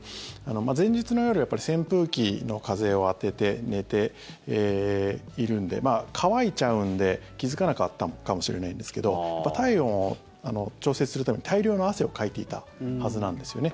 前日の夜、扇風機の風を当てて寝ているんで乾いちゃうんで気付かなかったのかもしれないんですけど体温を調整するために大量の汗をかいていたはずなんですよね。